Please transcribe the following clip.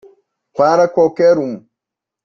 Para qualquer um